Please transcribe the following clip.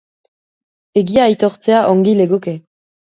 Egia aitortzea ongi legoke.